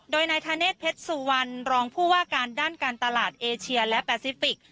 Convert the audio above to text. โดยนายธเนศเพชรสุวรรณรองผู้ว่าการด้านการตลาดเอเชียและแปซิฟิกส